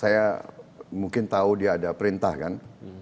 saya mungkin tahu dia ada perintah kan